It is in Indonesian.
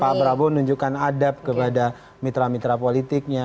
pak prabowo nunjukkan adab kepada mitra mitra politiknya